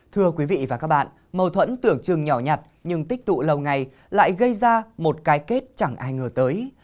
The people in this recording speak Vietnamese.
thưa quý vị và các bạn mâu thuẫn tưởng chừng nhỏ nhặt nhưng tích tụ lâu ngày lại gây ra một cái kết chẳng ai ngờ tới